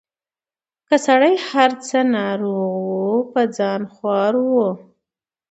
که سړی هر څه ناروغ وو په ځان خوار وو